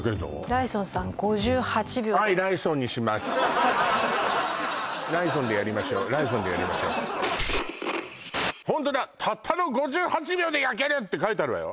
ライソンさんライソンでやりましょうライソンでやりましょうホントだ「たったの５８秒で焼ける」って書いてあるわよ